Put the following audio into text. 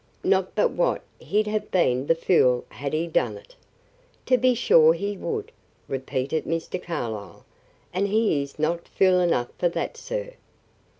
Not but what he'd have been the fool had he done it." "To be sure he would," repeated Mr. Carlyle, "and he is not fool enough for that, sir.